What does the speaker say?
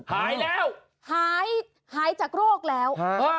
หายแล้วหายหายจากโรคแล้ว